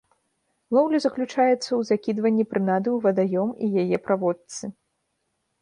Лоўля заключаецца ў закідванні прынады ў вадаём і яе праводцы.